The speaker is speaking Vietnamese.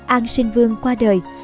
an sinh vương qua đời